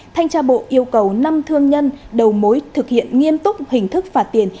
thanh tra bộ yêu cầu năm thương nhân đầu mối thực hiện nghiêm túc hình thức phạt tiền